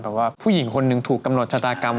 แบบว่าผู้หญิงคนนึงถูกกำลจจตากรรม